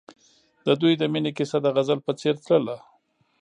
د دوی د مینې کیسه د غزل په څېر تلله.